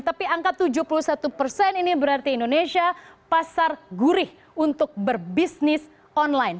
tapi angka tujuh puluh satu persen ini berarti indonesia pasar gurih untuk berbisnis online